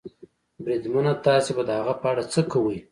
بریدمنه، تاسې به د هغه په اړه څه کوئ؟